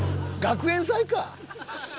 学園祭か！